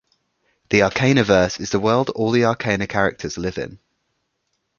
The Arcanaverse is the world all the Arcana characters live in.